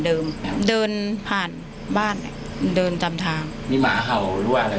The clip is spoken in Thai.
เดิมเดินผ่านบ้านเนี้ยเดินตามทางมีหมาเห่าหรือว่าอะไร